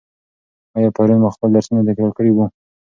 آیا پرون مو خپل درسونه تکرار کړي وو؟